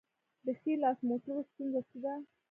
د ښي لاس موټرو ستونزه څه ده؟